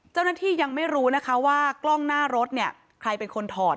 เจ้าหน้าที่ยังไม่รู้นะคะว่ากล้องหน้ารถใครเป็นคนถอด